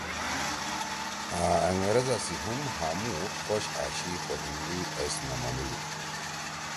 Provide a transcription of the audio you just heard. آں انگریزا سی ہُم ہامُو خوش أشی خو ہندو ایس نہ منُودُود۔